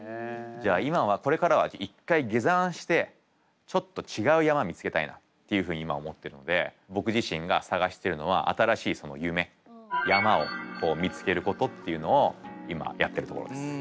じゃあ今はこれからは一回下山してちょっと違う山見つけたいなっていうふうに今思ってるので僕自身がさがしてるのは新しい夢山を見つけることっていうのを今やってるところです。